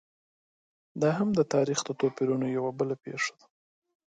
دا هم د تاریخ د کوچنیو توپیرونو یوه بله پېښه وه.